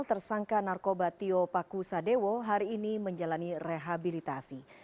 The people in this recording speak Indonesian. tersangka narkoba tio paku sadewo hari ini menjalani rehabilitasi